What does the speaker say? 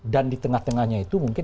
dan di tengah tengahnya itu mungkin